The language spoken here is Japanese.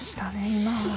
今。